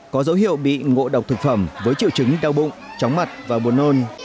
có dấu hiệu bị ngộ độc thực phẩm với triệu chứng đau bụng chóng mặt và buồn nôn